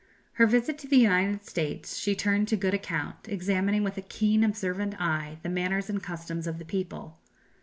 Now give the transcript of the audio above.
Her visit to the United States she turned to good account, examining with a keen observant eye the manners and customs of the people.